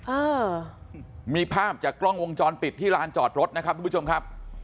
เออมีภาพจากกล้องวงจรปิดที่ลานจอดรถนะครับทุกผู้ชมครับ